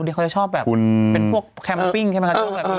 อันนี้เขาจะชอบแบบเป็นพวกแคมปปิ้งใช่ไหมคะ